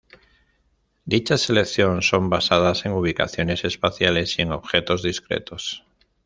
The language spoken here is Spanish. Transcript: Dicha selección son basadas en ubicaciones espaciales y en objetos discretos.